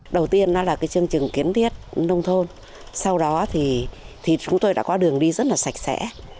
đầu tiên là chương trình kiến thiết nông thuần sau đó thì chúng tôi đã có đường đi rất là sạch sẽ